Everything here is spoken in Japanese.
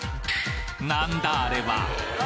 なんだあれは！？